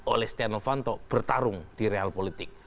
oleh steno vanto bertarung di real politik